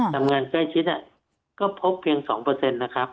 งานใกล้ชิดก็พบเพียง๒นะครับ